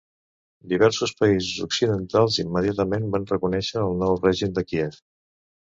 Diversos països occidentals immediatament van reconèixer al nou règim de Kíev.